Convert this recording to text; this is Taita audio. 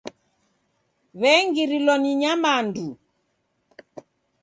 W'engirilwa ni nyamandu.